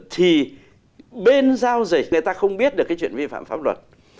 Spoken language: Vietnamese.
thì bên giao dịch người ta không biết được cái chuyện vi phạm pháp luật